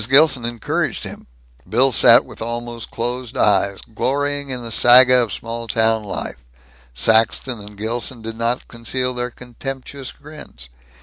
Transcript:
Gilson encouraged him; Bill sat with almost closed eyes, glorying in the saga of small town life; Saxton and Gilson did not conceal their contemptuous grins.